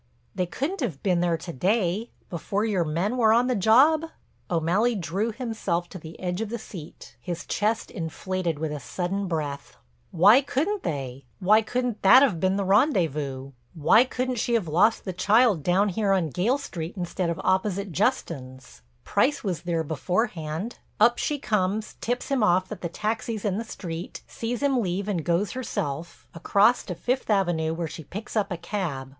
"They couldn't have been there to day—before your men were on the job?" O'Malley drew himself to the edge of the seat, his chest inflated with a sudden breath: "Why couldn't they? Why couldn't that have been the rendezvous? Why couldn't she have lost the child down here on Gayle Street instead of opposite Justin's? Price was there beforehand: up she comes, tips him off that the taxi's in the street, sees him leave and goes herself, across to Fifth Avenue where she picks up a cab.